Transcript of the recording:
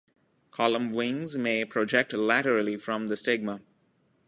Column wings may project laterally from the stigma.